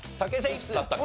いくつだったっけ？